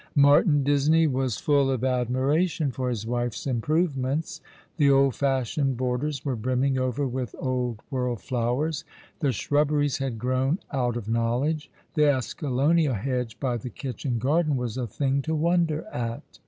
Martin Disney was full of admiration for his wife's improvements. The old fashioned borders were brimming over with old world flowers; the shrubberies had grown out of knowledge ; the escalonia hedge by the kitchen garden was a thing to wonder at.